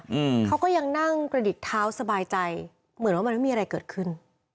อืมเขาก็ยังนั่งกระดิกเท้าสบายใจเหมือนว่ามันไม่มีอะไรเกิดขึ้น